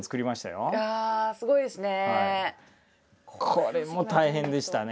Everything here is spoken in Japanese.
これも大変でしたね。